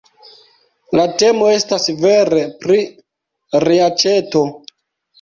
La temo estas vere pri reaĉeto!